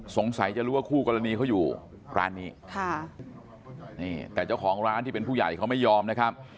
สงสัยจะรู้ว่าคู่กรณีเขาอยู่ร้านนี้ค่ะนี่แต่เจ้าของร้านที่เป็นผู้ใหญ่เขาไม่ยอมนะครับ